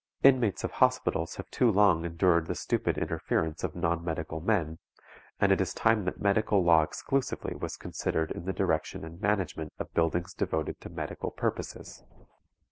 Inmates of hospitals have too long endured the stupid interference of non medical men, and it is time that medical law exclusively was considered in the direction and management of buildings devoted to medical purposes.